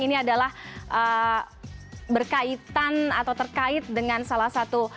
ini adalah berkaitan atau terkait dengan salah satu